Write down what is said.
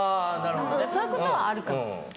そういうことはあるかもしれない。